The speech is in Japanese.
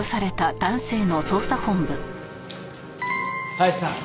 林さん。